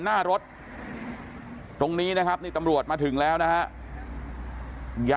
หน้ารถตรงนี้นะครับนี่ตำรวจมาถึงแล้วนะฮะ